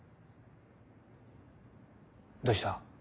どうした？